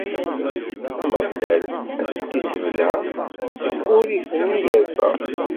Ameɣlal ad ten-issebleɛ seg wurrif-nni irfa.